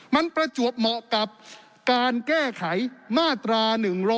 มันประจวบเหมาะกับการแก้ไขมาตรา๑๑๒